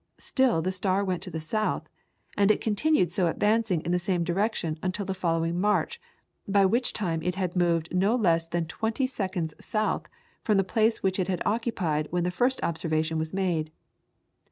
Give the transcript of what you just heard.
Still the star went to the south, and it continued so advancing in the same direction until the following March, by which time it had moved no less than twenty seconds south from the place which it occupied when the first observation was made.